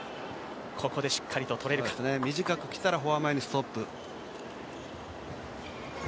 短く来たらフォア前にストップ。